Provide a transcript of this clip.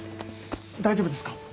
大丈夫ですか？